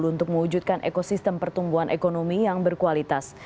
untuk mewujudkan ekosistem pertumbuhan ekonomi yang berkualitas